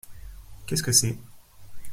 Qu'est-ce que c'est ?